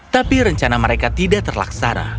tapi rencana mereka tidak terlaksana